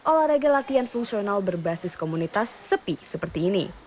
olahraga latihan fungsional berbasis komunitas sepi seperti ini